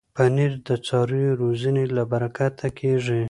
پنېر د څارویو روزنې له برکته کېږي.